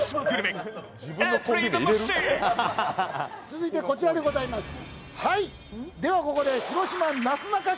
続いてこちらでございます。